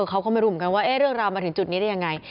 เขาก็ไม่รู้เหมือนกันว่าเรื่องราวมาถึงจุดนี้ได้ยังไง